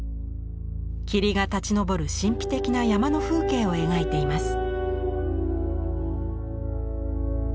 霧が立ち上る神秘的な山の風景を描いています。